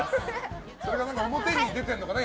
それが表に出てるのかね